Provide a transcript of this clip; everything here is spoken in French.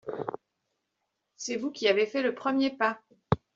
C’est vous qui avez fait le premier pas.